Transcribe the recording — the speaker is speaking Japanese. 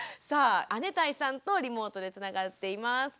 さあ姉帶さんとリモートでつながっています。